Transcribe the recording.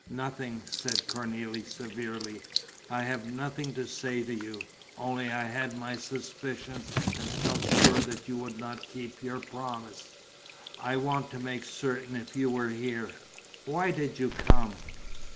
"Nothing," said Cornélie, severely. "I have nothing to say to you. Only I had my suspicions and felt sure that you would not keep your promise. I wanted to make certain if you were here. Why did you come?"